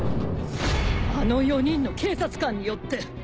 あの４人の警察官によって！